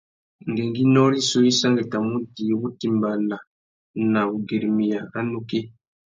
Ngüéngüinô rissú i sangüettamú udjï wutimbāna na wugüirimiya râ nukí.